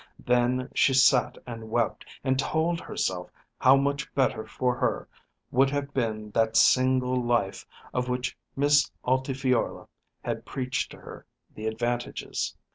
Then she sat and wept, and told herself how much better for her would have been that single life of which Miss Altifiorla had preached to her the advantages.